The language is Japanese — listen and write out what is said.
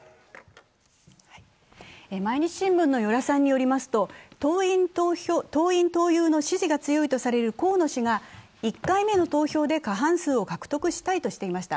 毎日新聞の与良さんによりますと、党員・党友の支持が強いとされる河野氏が１回目の投票で過半数を獲得したいとしていました。